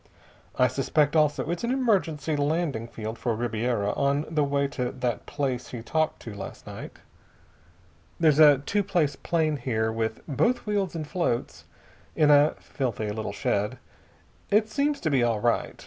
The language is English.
I suspect, also, it's an emergency landing field for Ribiera on the way to that place he talked to last night. There's a two place plane here with both wheels and floats, in a filthy little shed. It seems to be all right.